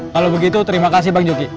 kalau begitu terima kasih bang joki